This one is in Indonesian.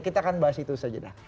kita akan bahas itu saja dah